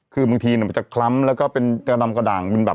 คือบางทีมันจะคล้ำแล้วก็เป็นดำกระด่าง